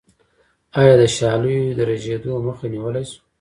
آیا د شالیو د رژیدو مخه نیولی شو؟